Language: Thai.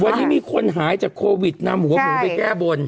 วันนี้มีคนหายจากโควิดนำหัวหมูไปแก้บน